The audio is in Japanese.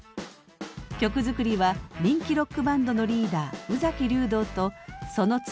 曲作りは人気ロックバンドのリーダー宇崎竜童とその妻